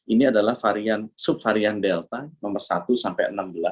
ini adalah varian subvarian delta nomor satu sampai enam belas